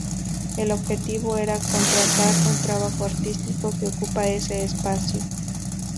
El objetivo era encontrar un trabajo artístico que ocupara ese espacio.